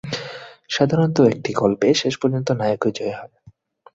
সাধারণত, একটা গল্পে, শেষ পর্যন্ত নায়কই জয়ী হয়।